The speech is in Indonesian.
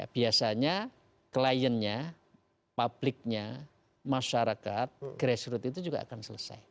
biasanya kliennya publiknya masyarakat grassroot itu juga akan selesai